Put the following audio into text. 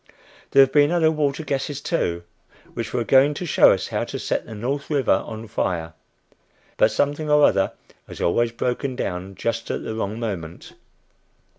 There have been other water gases too, which were each going to show us how to set the North River on fire, but something or other has always broken down just at the wrong moment.